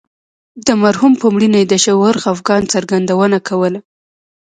د مرحوم په مړینه یې د ژور خفګان څرګندونه کوله.